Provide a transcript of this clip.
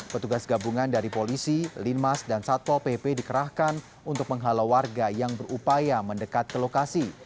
petugas gabungan dari polisi linmas dan satpol pp dikerahkan untuk menghalau warga yang berupaya mendekat ke lokasi